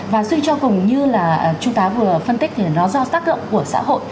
và suy cho cùng như là chú tá vừa phân tích thì nó do tác động của xã hội